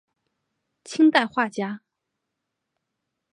清代画家。